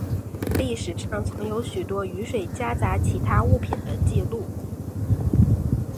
历史上曾有许多雨水夹杂其他物品的记录。